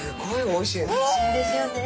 おいしいんですよね。